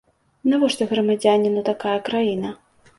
Навошта грамадзяніну такая краіна?!